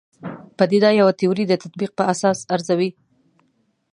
پدیده پوه تیورۍ د تطبیق په اساس ارزوي.